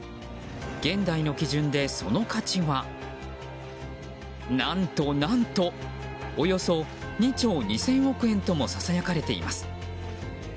現代の基準で、その価値は何と何とおよそ２兆２０００億円ともささやかれています。